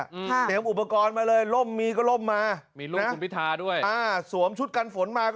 เหนียวอุปกรณ์มาล่มมีก็ล่มมา